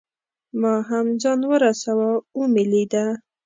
ما هم ځان ورساوه او مې لیده.